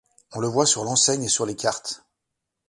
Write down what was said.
On le voit sur l'enseigne et sur les cartes.